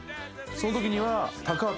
そのときには。